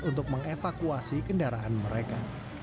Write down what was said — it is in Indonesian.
untuk mengevakuasi kendaraan mereka